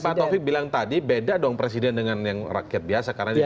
tapi pak taufik bilang tadi beda dong presiden dengan yang rakyat biasa karena dipilih